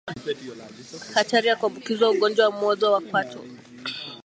hatari ya kuambukizwa ugonjwa wa mwozo wa kwato